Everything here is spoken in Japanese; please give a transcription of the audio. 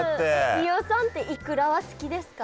飯尾さんってイクラは好きですか？